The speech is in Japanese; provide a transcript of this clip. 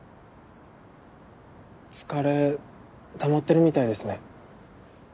疲れたまってるみたいですね。